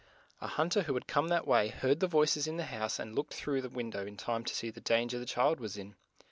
A hunt er who had come that way, heard the voices in the house, and looked in through the win dow in time to see the dan ger the child was in.